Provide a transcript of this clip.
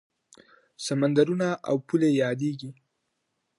سمندرونه او پولې یادېږي.